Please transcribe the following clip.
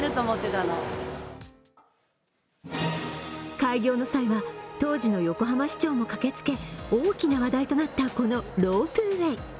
開業の際は、当時の横浜市長も駆けつけ大きな話題となった、このロープウェイ。